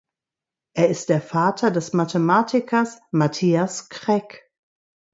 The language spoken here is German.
Er ist der Vater des Mathematikers Matthias Kreck.